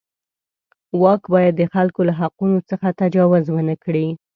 واک باید د خلکو له حقونو څخه تجاوز ونه کړي.